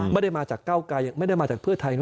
ไม่ได้มาจากเก้าไกลยังไม่ได้มาจากเพื่อไทย